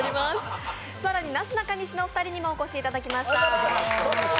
更になすなかにしのお二人にもお越しいただきました。